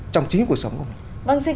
trong chính cuộc sống của mình